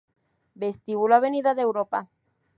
Vestíbulo Avenida de Europa